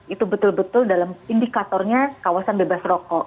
itu betul betul dalam indikatornya kawasan bebas rokok